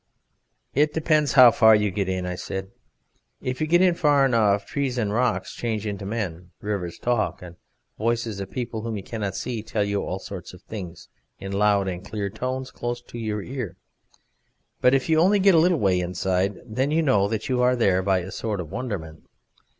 "It depends how far you get in," said I. "If you get in far enough trees and rocks change into men, rivers talk, and voices of people whom you cannot see tell you all sorts of things in loud and clear tones close to your ear. But if you only get a little way inside then you know that you are there by a sort of wonderment.